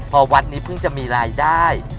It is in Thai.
พอวัดนี้เพิ่งจะมีรายได้